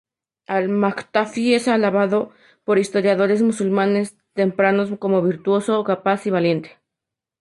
Al-Muqtafi es alabado por los historiadores musulmanes tempranos como virtuoso, capaz y valiente.